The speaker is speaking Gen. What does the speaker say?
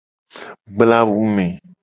Gbla awu me.